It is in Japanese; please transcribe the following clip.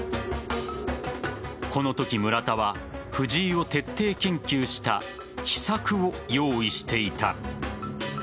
このとき、村田は藤井を徹底研究した秘策を用意していた。